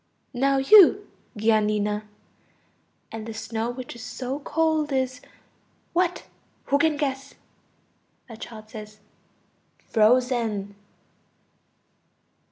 Now you, Giannina. And the snow which is so cold is ... what? Who can guess? A child. Frozen.